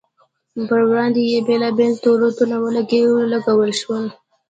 پر وړاندې یې بېلابېل تورونه ولګول شول.